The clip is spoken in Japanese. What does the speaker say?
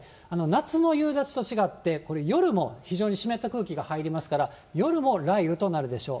夏の夕立と違って、これ、夜も非常に湿った空気が入りますから、夜も雷雨となるでしょう。